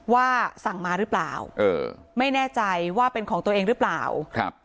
ว่าสั่งมาหรือเปล่าเออไม่แน่ใจว่าเป็นของตัวเองหรือเปล่าครับ